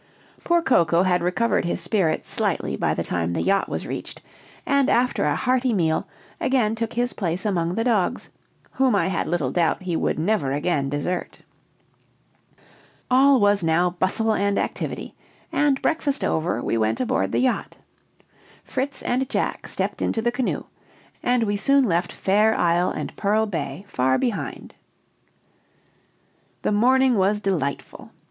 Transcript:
Poor Coco had recovered his spirits slightly by the time the yacht was reached; and, after a hearty meal, again took his place among the dogs, whom I had little doubt he would never again desert. All was now bustle and activity; and breakfast over, we went aboard the yacht. Fritz and Jack stepped into the canoe; and we soon left Fair Isle and Pearl Bay far behind. The morning was delightful.